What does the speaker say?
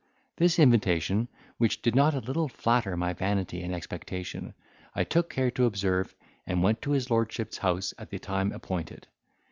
This invitation, which did not a little flatter my vanity and expectation, I took care to observe, and went to his lordship's house at the time appointed.